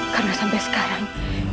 karena sampai sekarang